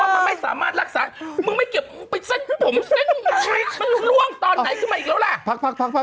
มันไม่สามารถรักษามึงไม่เก็บมึงไปเส้นผมเส้นมันใช้มันล่วงตอนไหนขึ้นมาอีกแล้วล่ะ